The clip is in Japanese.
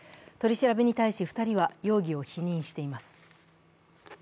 取り調べに対し、２人は容疑を否認しています。